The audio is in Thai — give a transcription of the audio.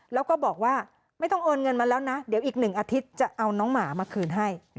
แล้วก็บอกว่าไม่ต้องโอนเงินมาแล้วนะเดี๋ยวอีก๑อาทิตย์จะเอาน้องหมามาคืนให้